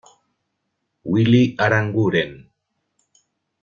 Willy Aranguren.